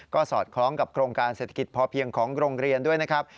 ก็สอดคล้องกับโครงการเศรษฐกิจพอเพียงของโรงเรียนด้วยนะครับ